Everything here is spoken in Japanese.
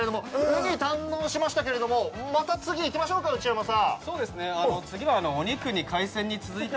ウニ堪能しましたけれども、また次に行きましょうか、内山さ